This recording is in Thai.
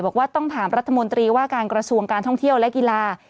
บอกว่าต้องถามรัฐมนตรีว่าการกระทรวงการท่องเที่ยวและกีฬา